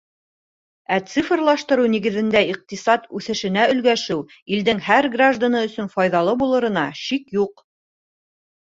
Ә цифрлаштырыу нигеҙендә иҡтисад үҫешенә өлгәшеү илдең һәр гражданы өсөн файҙалы булырына шик юҡ.